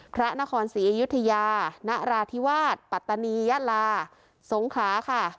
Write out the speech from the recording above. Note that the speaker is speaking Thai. พระนครศรีอยุธยานราธิวาสปัตตานียะลาสงขลาค่ะ